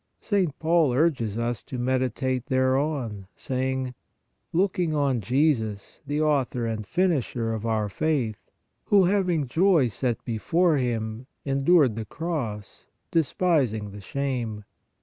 St. Paul urges us to medi tate thereon, saying :" Looking on Jesus, the Au thor and Finisher of our faith, who, having joy set before Him, endured the cross, despising the shame